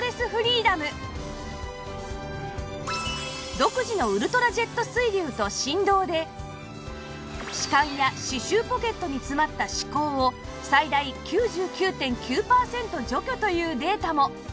独自のウルトラジェット水流と振動で歯間や歯周ポケットに詰まった歯垢を最大 ９９．９ パーセント除去というデータも